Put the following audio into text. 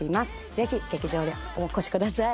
ぜひ劇場でお越しください。